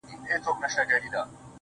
د صافیو نجونه صافې په صورت دي